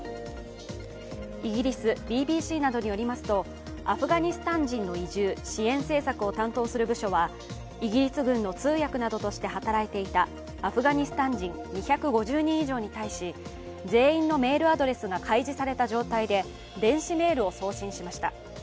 イギリス・ＢＢＣなどによりますとアフガニスタン人の移住・支援政策を担当する部署はイギリス軍の通訳などとして働いていたアフガニスタン人２５０人以上に対し全員のメールアドレスが開示された状態で電子メールを送信しました。